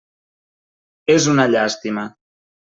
És una llàstima.